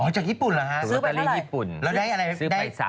อ๋อจากญี่ปุ่นหรอฮะ